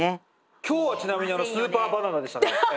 今日はちなみにスーパーバナナでしたね。